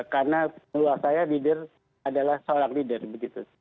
karena seluruh saya adalah seorang leader begitu